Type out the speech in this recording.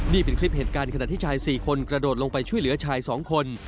นี่เป็นคลิปเหตุการณ์ขณะที่ชาย๔คนกระโดดลงไปช่วยเหลือชาย๒คน